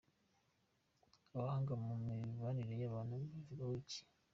Abahanga mu bibanire y’abantu babivugaho iki?.